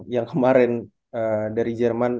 yang kemarin dari jerman